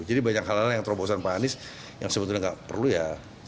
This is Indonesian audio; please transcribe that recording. jadi banyak hal hal yang terobosan pak anies yang sebetulnya nggak perlu ya